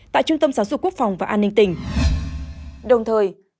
tại trung tâm giáo dục quốc phòng và an ninh tỉnh